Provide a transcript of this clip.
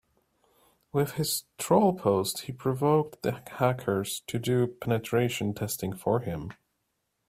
With his troll post he provoked the hackers to do penetration testing for him.